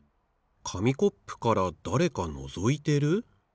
かみコップからだれかのぞいてる？